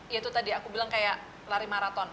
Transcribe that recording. ya itu tadi aku bilang kayak lari maraton